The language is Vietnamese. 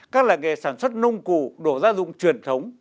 các làng nghề sản xuất nông cụ đồ gia dụng truyền thống